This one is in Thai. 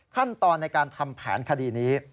ขั้นตอนในการทำแผนคดีนี้